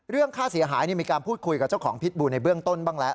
ค่าเสียหายมีการพูดคุยกับเจ้าของพิษบูในเบื้องต้นบ้างแล้ว